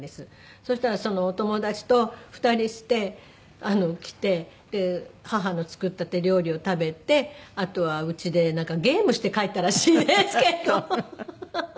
そしたらそのお友達と２人して来て母の作った手料理を食べてあとはうちでなんかゲームして帰ったらしいんですけど。